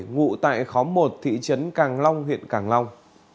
ngụ tại khóm một thị trấn càng long huyện càng long